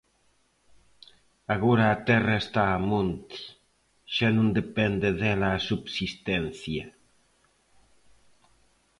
Agora a terra está a monte, xa non depende dela a subsistencia.